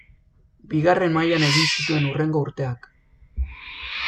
Bigarren mailan egin zituen hurrengo urteak.